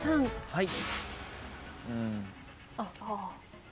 はい。